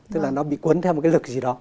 tức là nó bị cuốn theo một cái lực gì đó